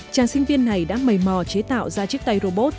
chàng sinh viên này đã mầy mò chế tạo ra chiếc tay robot